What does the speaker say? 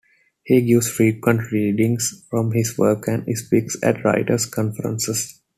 He gives frequent readings from his work and speaks at writers' conferences.